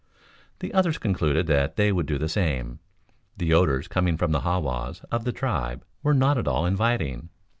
The others concluded that they would do the same. The odors coming from the ha was of the tribe were not at all inviting.